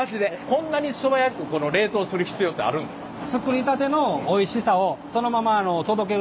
こんなに素早くこの冷凍する必要ってあるんですか？